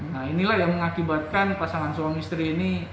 nah inilah yang mengakibatkan pasangan suami istri ini